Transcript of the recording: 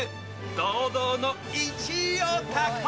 堂々の１位を獲得。